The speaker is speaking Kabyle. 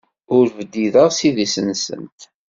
Ur bdideɣ s idis-nsent.